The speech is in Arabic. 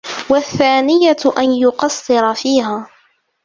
وَالثَّانِيَةُ أَنْ يُقَصِّرَ فِيهَا